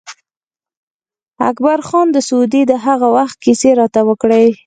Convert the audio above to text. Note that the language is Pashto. اکبر خان د سعودي د هغه وخت کیسې راته وکړې.